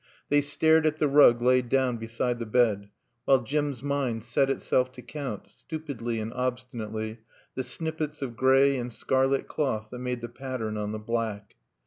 They stared at the rug laid down beside the bed, while Jim's mind set itself to count, stupidly and obstinately, the snippets of gray and scarlet cloth that made the pattern on the black.